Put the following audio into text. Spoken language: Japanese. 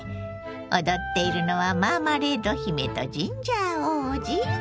踊っているのはマーマレード姫とジンジャー王子？